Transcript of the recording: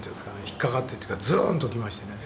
引っかかってるというかズーンときましてね。